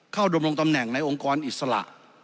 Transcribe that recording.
ดำรงตำแหน่งในองค์กรอิสระ